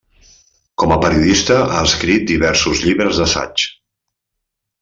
Com a periodista ha escrit diversos llibres d'assaig.